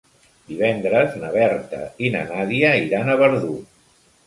Divendres na Berta i na Nàdia iran a Verdú.